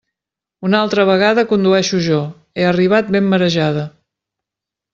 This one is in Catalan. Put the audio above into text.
Una altra vegada condueixo jo; he arribat ben marejada.